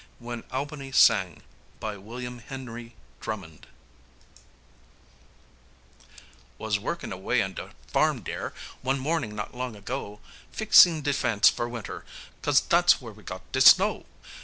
WHEN ALBANI SANG BY WILLIAM HENRY DRUMMOND Was workin' away on de farm dere, wan morning not long ago, Feexin' de fence for winter 'cos dat's w'ere we got de snow!